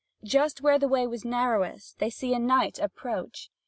Just where the way was narrowest, they see a knight approach.